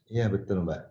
iya betul mbak